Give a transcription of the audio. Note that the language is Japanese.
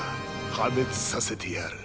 破滅させてやる。